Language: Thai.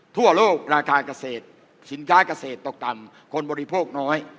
ทั่วโลกราคาเกษตรสินค้าเกษตรตกต่ำคนบริโภคน้อย